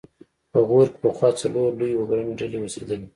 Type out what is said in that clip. په غور کې پخوا څلور لویې وګړنۍ ډلې اوسېدلې